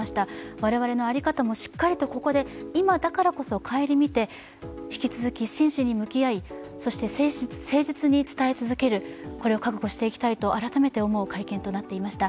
我々の在り方もしっかりとここで今だからこそ顧みて引き続き真摯に向き合い、そして誠実に伝え続ける、これを覚悟していきたいと改めて思う会見となりました。